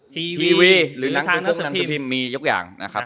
ทีวีหรือทางนักสรุปพิมพ์มียกอย่างนะครับ